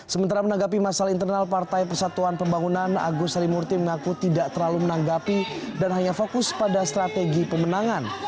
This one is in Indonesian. sementara menanggapi masalah internal partai persatuan pembangunan agus harimurti mengaku tidak terlalu menanggapi dan hanya fokus pada strategi pemenangan